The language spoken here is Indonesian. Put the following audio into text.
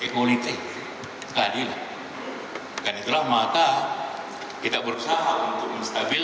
ke lebih mensuralisasi